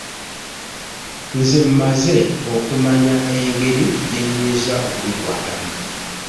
Nze mmaze okumanya engeri gye nnyinza okubikwatamu.